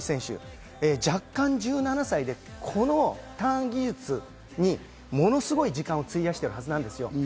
り選手、弱冠１７歳で、このターン技術にものすごい時間を費やしてるはずなんですよ。